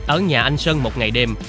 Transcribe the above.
ở nhà anh sơn một ngày đêm